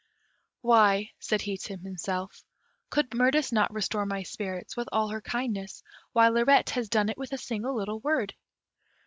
"Why," said he to himself, "could Mirtis not restore my spirits, with all her kindness, while Lirette has done it with a single little word?